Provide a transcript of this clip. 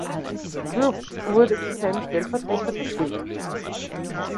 Cropp wurde zu seinem Stellvertreter bestimmt.